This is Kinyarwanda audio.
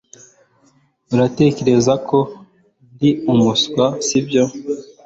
Uratekereza ko ndi umuswa sibyo